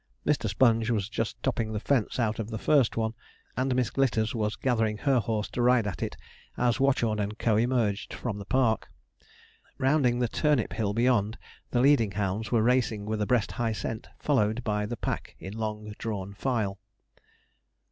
Mr. Sponge was just topping the fence out of the first one, and Miss Glitters was gathering her horse to ride at it, as Watchorn and Co. emerged from the park. Rounding the turnip hill beyond, the leading hounds were racing with a breast high scent, followed by the pack in long drawn file.